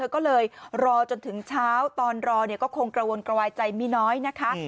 ก็เลยรอจนถึงเช้าตอนรอก็คงกระวนกระวายใจมีน้อยนะคะ